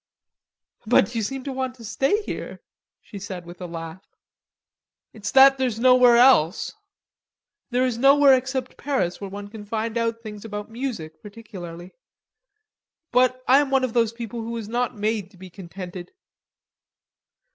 "But you seem to want to stay here," she said with a laugh. "It's that there's nowhere else. There is nowhere except Paris where one can find out things about music, particularly.... But I am one of those people who was not made to be contented."